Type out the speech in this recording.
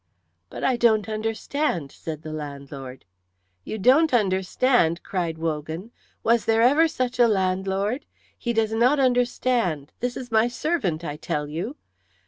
"But I don't understand," said the landlord. "You don't understand!" cried Wogan. "Was there ever such a landlord? He does not understand. This is my servant, I tell you."